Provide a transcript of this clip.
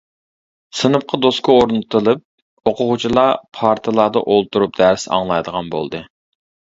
سىنىپقا دوسكا ئورنىتىلىپ، ئوقۇغۇچىلار پارتىلاردا ئولتۇرۇپ دەرس ئاڭلايدىغان بولدى.